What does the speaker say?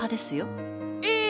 ええ！